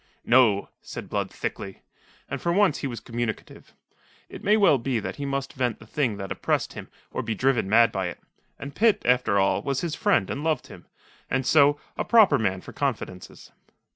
"No," said Blood thickly. And for once he was communicative. It may well be that he must vent the thing that oppressed him or be driven mad by it. And Pitt, after all, was his friend and loved him, and, so, a proper man for confidences.